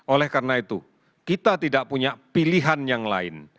oleh karena itu kita tidak punya pilihan yang lain